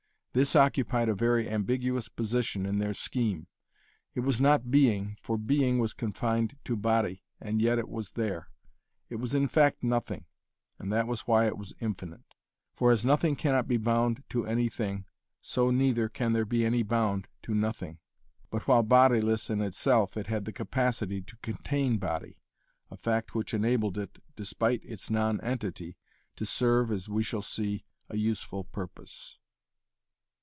This occupied a very ambiguous position In their scheme. It was not being, for being was confined to body and yet it was there. It was in fact nothing, and that was why it was infinite. For as nothing cannot be bound to any thing, so neither can there be any bound to nothing. But while bodiless itself, it had the capacity to contain body, a fact which enabled it, despite its non entity, to serve, as we shall see, a useful purpose.